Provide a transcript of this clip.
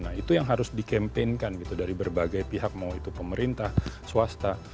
nah itu yang harus di campaign kan gitu dari berbagai pihak mau itu pemerintah swasta